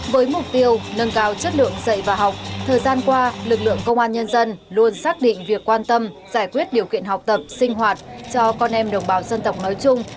với mục tiêu nâng cao chất lượng dạy và học thời gian qua lực lượng công an nhân dân luôn xác định việc quan tâm giải quyết điều kiện học tập sinh hoạt cho con em đồng bào dân tộc nói chung